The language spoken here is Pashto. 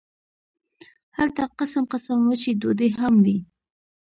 هلته قسم قسم وچې ډوډۍ هم وې.